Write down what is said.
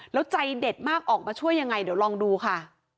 แล้วใจเด็ดมากออกมาช่วยยังไงเดี๋ยวลองดูค่ะ